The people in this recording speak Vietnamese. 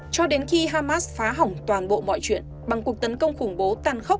cho đến khi hamas phá hỏng toàn bộ mọi chuyện bằng cuộc tấn công khủng bố tàn khốc